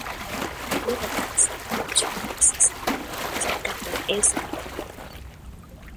Murió de cáncer en La Tour de Cesar, cerca de Aix-en-Provence.